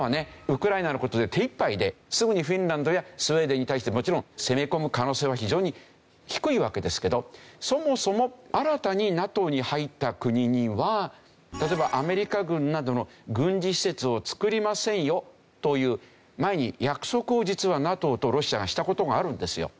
ウクライナの事で手いっぱいですぐにフィンランドやスウェーデンに対してもちろんそもそも新たにＮＡＴＯに入った国には例えばアメリカ軍などの軍事施設をつくりませんよという前に約束を実はＮＡＴＯとロシアがした事があるんですよ。